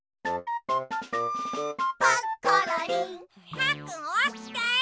パックンおきて！